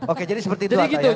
oke jadi seperti itu atta ya